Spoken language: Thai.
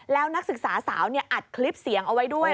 แล้วนักศึกษาสาวอัดคลิปเสียงเอาไว้ด้วย